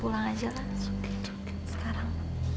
pulang aja lah sumpit sumpit sekarang